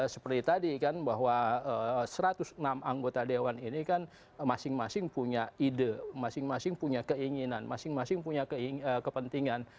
seperti tadi kan bahwa satu ratus enam anggota dewan ini kan masing masing punya ide masing masing punya keinginan masing masing punya kepentingan